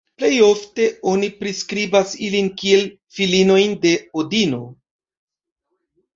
Plejofte oni priskribas ilin kiel filinojn de Odino.